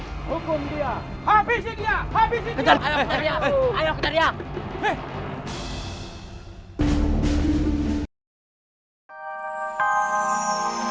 hukum dia habisi dia habisi dia